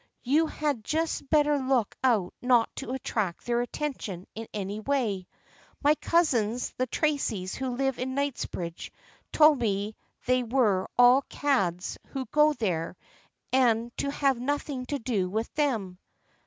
You had just better look out not to attract their attention in any way. My cousins the Tracys, who live in Kingsbridge, told me they were all cads who go there, and to have nothing to do with them."